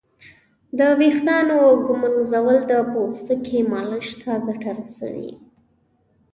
د ویښتانو ږمنځول د پوستکي مالش ته ګټه رسوي.